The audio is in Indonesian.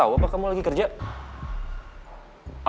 dia gak tau apa kamu lagi kemana mana